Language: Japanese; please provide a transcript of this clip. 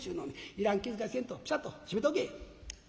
いらん気遣いせんとピシャッと閉めておけ」。